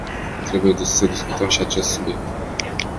Trebuie să discutăm și acest subiect.